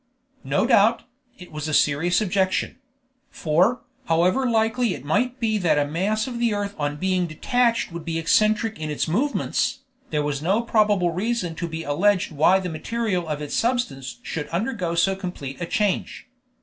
No doubt, it was a serious objection; for, however likely it might be that a mass of the earth on being detached would be eccentric in its movements, there was no probable reason to be alleged why the material of its substance should undergo so complete a change.